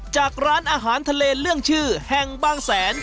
จากร้านอาหารทะเลเรื่องชื่อแห่งบางแสน